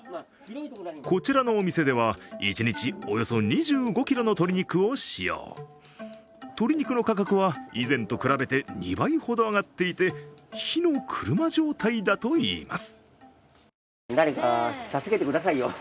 こちらのお店では１日およそ２５ｋｇの鶏肉を使用鶏肉の価格は以前と比べて２倍ほど上がっていて、火の車状態だといいます。